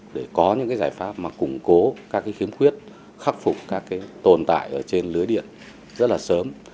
để có những giải pháp củng cố các khiếm khuyết khắc phục các tồn tại trên lưới điện rất sớm